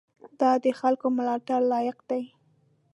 دا د خلکو ملاتړ لایق دی.